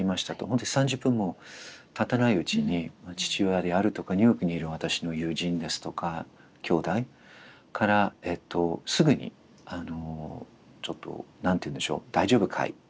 本当に３０分もたたないうちに父親であるとかニューヨークにいる私の友人ですとかきょうだいからすぐにあのちょっと何ていうんでしょう「大丈夫かい？」